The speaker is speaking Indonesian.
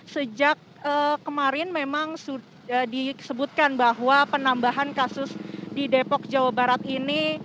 sejak kemarin memang disebutkan bahwa penambahan kasus di depok jawa barat ini